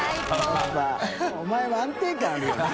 やっぱお前は安定感あるよな。